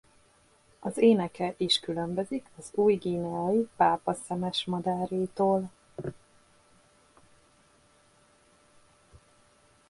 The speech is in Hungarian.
Az éneke is különbözik az új-guineai pápaszemesmadárétól.